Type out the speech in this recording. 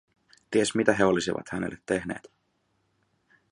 Ties mitä he olisivat hänelle tehneet.